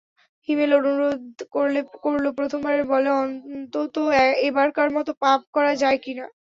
হিমেল অনুরোধ করল প্রথমবার বলে অন্তত এবারকার মতো মাপ করা যায় কি-না।